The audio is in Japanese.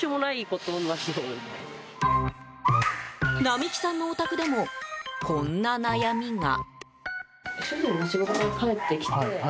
波季さんのお宅でもこんな悩みが。